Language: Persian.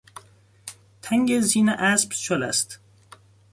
تنگ زین اسب شل است.